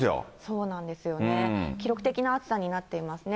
そうなんですよね、記録的な暑さになってますね。